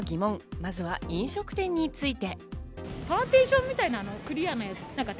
まずは飲食店について。